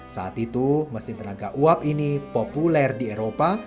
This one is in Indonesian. saat itu mesin tenaga uap ini populer di eropa